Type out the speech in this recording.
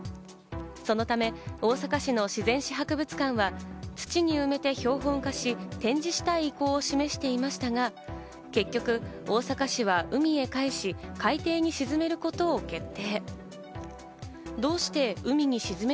そのため大阪市の自然史博物館は、土に埋めて標本化し、展示したい意向を示していましたが、結局、大阪市は海へかえし、海底に沈めることを決定。